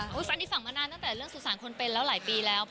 หนูนี่ฝังมานานตั้งแต่เรื่องสุนสารคนเป็นหลายปีแล้ว